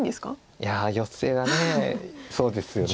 いやヨセがそうですよね。